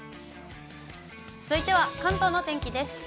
続いては関東のお天気です。